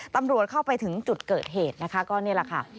ตำรวจเข้าไปถึงจุดเกิดเหตุนะคะ